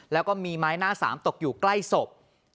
แล้วก็มีไม้หน้าสามตกอยู่ใกล้ศพ